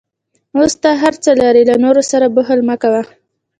اوس ته هر څه لرې، له نورو سره بخل مه کوه.